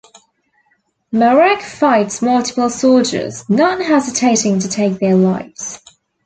Marek fights multiple soldiers, not hesitating to take their lives.